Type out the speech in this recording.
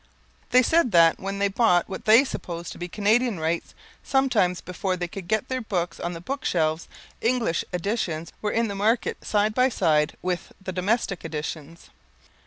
They said that, when they bought what they supposed to be Canadian rights, sometimes before they could get their books on the bookshelves, English editions were in the market side by side with the domestic editions.